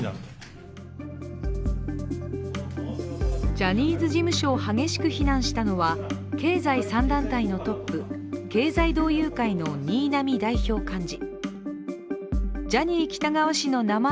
ジャニーズ事務所を激しく非難したのは経済３団体のトップ経済同友会の新浪代表幹事。